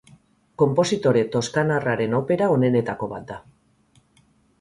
Konpositore toskanarraren opera onenetako bat da.